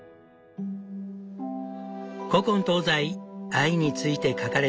古今東西愛について書かれた詩や小説